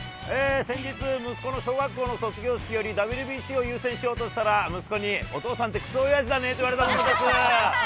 先日、息子の小学校の卒業式よりＷＢＣを優先しようとしたら、息子に、お父さんってくそおやじだねと言われた上田です。